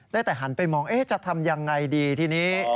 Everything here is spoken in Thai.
ได้แต่หันไปมองจะทำยังไงดีทีนี้